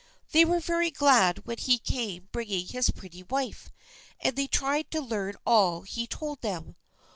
They were very glad when he came bringing his pretty wife, and they tried to learn all he told them.